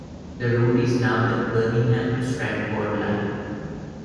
The route is now the Birmingham to Stratford Line.